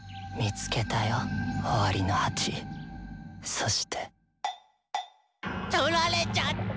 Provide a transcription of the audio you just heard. そしてとられちゃった。